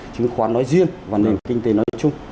chứng khoán nói riêng và nền kinh tế nói chung